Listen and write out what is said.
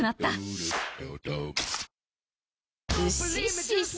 ウッシッシッシ